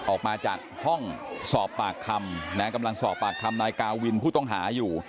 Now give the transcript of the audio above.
ออกมาจากห้องสอบปากคำนะกำลังสอบปากคำนายกาวินผู้ต้องหาอยู่